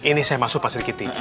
ini saya masuk mas rikiti